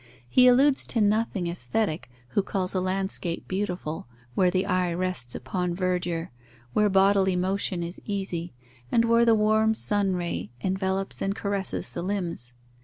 He alludes to nothing aesthetic who calls a landscape beautiful where the eye rests upon verdure, where bodily motion is easy, and where the warm sun ray envelops and caresses the limbs.